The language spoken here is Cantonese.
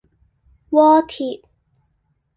鍋貼